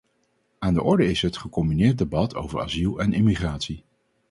Aan de orde is het gecombineerd debat over asiel en immigratie.